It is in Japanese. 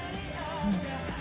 うん。